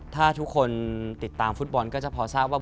ถ้าทุกคนติดตามฟุตบอลก็จะพอทราบว่า